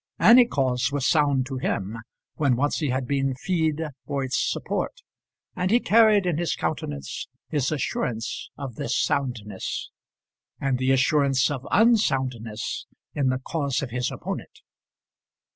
Any cause was sound to him when once he had been feed for its support, and he carried in his countenance his assurance of this soundness, and the assurance of unsoundness in the cause of his opponent.